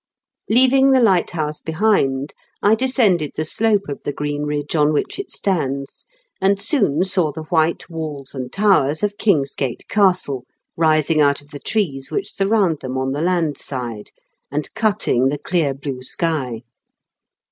Leaving the lighthouse behind, I descended the slope of the green ridge on which it stands, and soon saw the white walls and towers of Kingsgate Castle rising out of the trees which surround them on the land side, and cutting the clear blue sky.